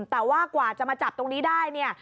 แต่ว่ากว่าจะมาจับตรงนี้ได้เนี่ย